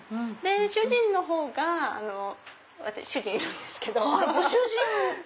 主人のほうが私主人いるんですけど。